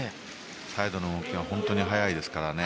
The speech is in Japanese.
サイドへの動きが本当に速いですからね。